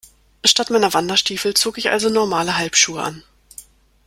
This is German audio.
Statt meiner Wanderstiefel zog ich also normale Halbschuhe an.